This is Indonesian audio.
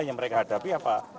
yang mereka hadapi apa